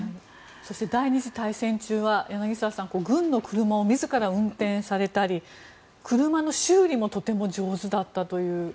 そして第２次大戦中は柳澤さん軍の車を自ら運転されたり車の修理もとても上手だったという。